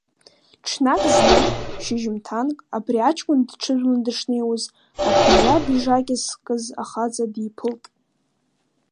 Ҽнак зны, шьыжьымҭанк, абри аҷкәын дҽыжәлан дышнеиуаз, абни иаб ижакьа зкыз ахаҵа диԥылт.